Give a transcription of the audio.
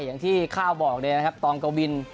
อย่างที่ข้าวบอกเลยนะครับตองกวิน